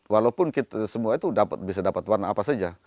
walaupun kita semua itu bisa dapat warna apa saja